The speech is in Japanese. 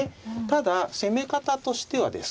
ただ攻め方としてはですね